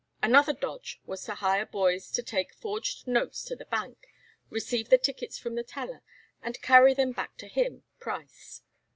Another dodge was to hire boys to take forged notes to the Bank, receive the tickets from the teller, and carry them back to him (Price).